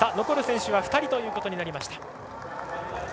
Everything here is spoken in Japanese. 残る選手は２人となりました。